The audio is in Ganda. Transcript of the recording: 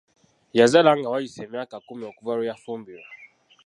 Yazaala nga wayise emyaka kkumi okuva lwe yafumbirwa!